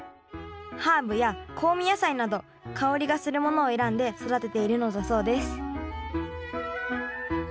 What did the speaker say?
ハーブや香味野菜など香りがするものを選んで育てているのだそうです